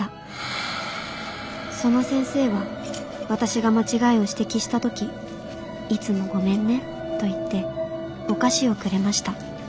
その先生は私が間違いを指摘した時いつもごめんねと言ってお菓子をくれました。